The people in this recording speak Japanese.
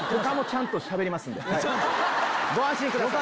ご安心ください。